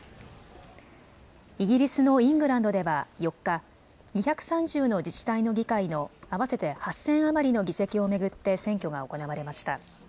イギリスのイングランドでは４日、２３０の自治体の議会の合わせて８０００余りの議席を巡って選挙が行われました。